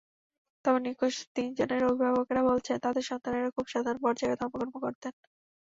তবে নিখোঁজ তিনজনের অভিভাবকেরা বলছেন, তাঁদের সন্তানেরা খুব সাধারণ পর্যায়ে ধর্মকর্ম করতেন।